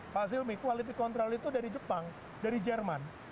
pak zilmi quality control itu dari jepang dari jerman